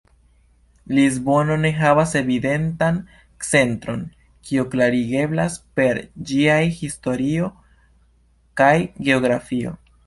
Lisbono ne havas evidentan centron, kio klarigeblas per ĝiaj historio kaj geografio.